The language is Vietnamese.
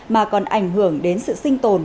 mà còn ảnh hưởng đến sự sinh tồn